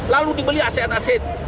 lalu dibeli aset aset